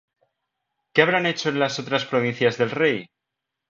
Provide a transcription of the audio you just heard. ¿qué habrán hecho en las otras provincias del rey?